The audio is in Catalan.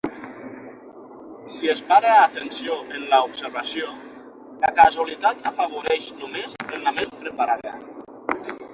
Si es para atenció en la observació, la casualitat afavoreix només la ment preparada.